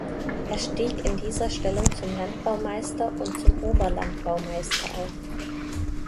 Er stieg in dieser Stellung zum Landbaumeister und zum Oberlandbaumeister auf.